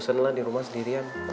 gak bosen lah di rumah sendirian